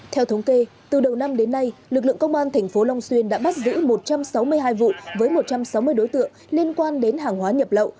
theo thống kê từ đầu năm đến nay lực lượng công an tp long xuyên đã bắt giữ một trăm sáu mươi hai vụ với một trăm sáu mươi đối tượng liên quan đến hàng hóa nhập lậu